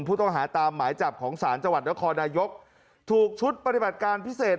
พุทธองหาตามหมายจับของสารถูกชุดปฏิบัติการพิเศษ